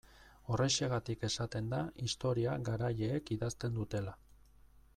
Horrexegatik esaten da historia garaileek idazten dutela.